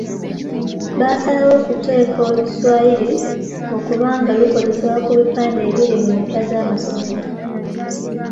Baasalawo okuteeka Oluswayiri okuba nga lukozesebwa ku bipande ebiri mu mpya z'amasomero.